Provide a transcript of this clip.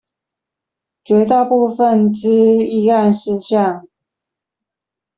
絕大部分之議案事項